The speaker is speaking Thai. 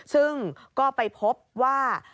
ซึ่งก็ไปพบว่า